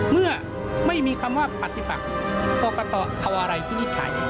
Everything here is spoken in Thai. เมื่อไม่มีคำว่าปฏิบัติกรกฎต่อเอาอะไรที่นี่ใช้